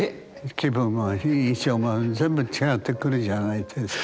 気分も印象も全部違ってくるじゃないですか。